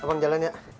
ya abang jalan ya